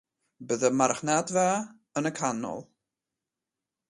Byddai marchnadfa yn y canol.